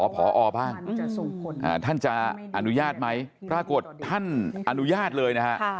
พอบ้างท่านจะอนุญาตไหมปรากฏท่านอนุญาตเลยนะฮะ